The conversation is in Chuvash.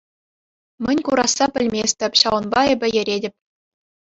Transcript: Мӗн курасса пӗлместӗп, ҫавӑнпа эпӗ йӗретӗп.